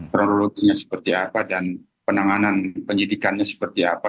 kronologinya seperti apa dan penanganan penyidikannya seperti apa